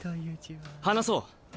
話そう。